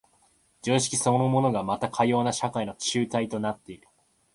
常識そのものがまたかような社会の紐帯となっている。